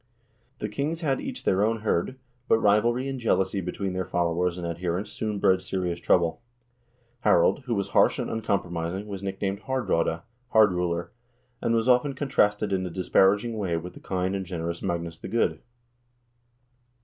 The kings had each their own hird, but rivalry and jealousy between their followers and adherents soon bred serious trouble. Harald, who was harsh and uncompromising, was nicknamed Haardraade (Hard ruler), and was often contrasted in a disparaging way with the kind and generous Magnus the Good.